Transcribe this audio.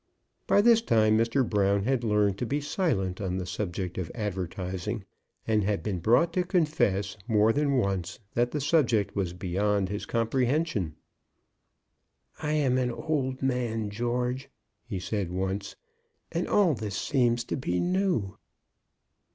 By this time Mr. Brown had learned to be silent on the subject of advertising, and had been brought to confess, more than once, that the subject was beyond his comprehension. "I am an old man, George," he said once, "and all this seems to be new."